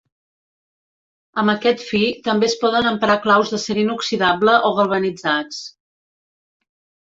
Amb aquest fi també es poden emprar claus d'acer inoxidable o galvanitzats.